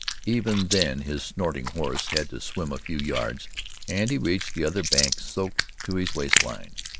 Even then his snorting horse had to swim a few yards, and he reached the other bank soaked to his waist line.